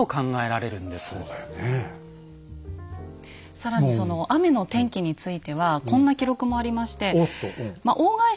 更にその雨の天気についてはこんな記録もありまして。